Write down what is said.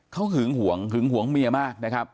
เขาหึงห่วงหึงหวงเมียมากนะครับ